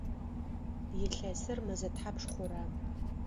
Илъэсыр мэзэ тхьапш хъура?